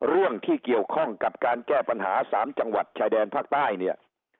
เรื่องที่เกี่ยวข้องกับการแก้ปัญหา๓จังหวัดชายแดนภาคใต้เนี่ย